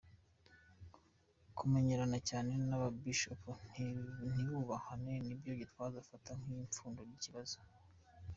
Kumenyerana cyane n’aba Bishops ntibubahane ni byo Gitwaza afata nk’ipfundo ry’ikibazo.